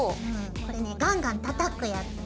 これねガンガンたたくヤツね。